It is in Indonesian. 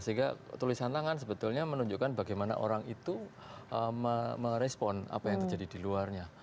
sehingga tulisan tangan sebetulnya menunjukkan bagaimana orang itu merespon apa yang terjadi di luarnya